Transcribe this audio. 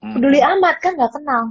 peduli amat kan gak kenal